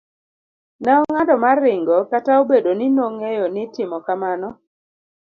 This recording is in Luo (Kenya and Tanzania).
C. ne ong'ado mar ringo kata obedo ni nong'eyo ni timo kamano